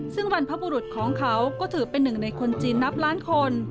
ซึ่งบรรพบุรุษของเขาก็ถือเป็นหนึ่งในคนจีนนับล้านคน